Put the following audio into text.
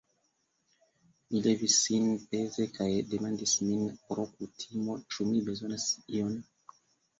Li levis sin peze kaj demandis min, pro kutimo, ĉu mi bezonas ion.